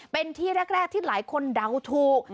เป็นที่แรกที่หลายคนเดาถูก